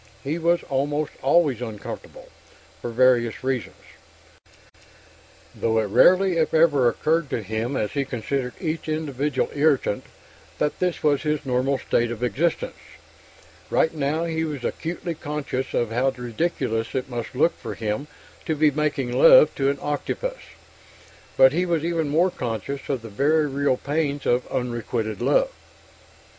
He was almost always uncomfortable, for various reasons; though it rarely if ever occurred to him, as he considered each individual irritant, that this was his normal state of existence. Right now he was acutely conscious of how ridiculous it must look for him to be making love to an octopus, but he was even more conscious of the very real pains of unrequited love.